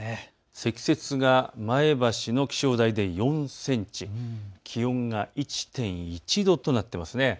積雪が前橋の気象台で４センチ、気温が１．１度となっています。